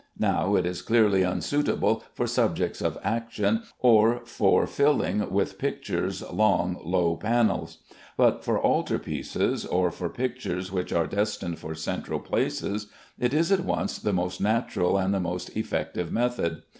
Now it is clearly unsuitable for subjects of action, or for filling with figures low long panels; but for altar pieces, or for pictures which are destined for central places, it is at once the most natural and the most effective method.